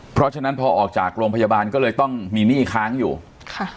เพราะฉะนั้นพอออกจากโรงพยาบาลก็เลยต้องมีหนี้ค้างอยู่ค่ะ